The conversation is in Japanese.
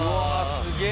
すげえ！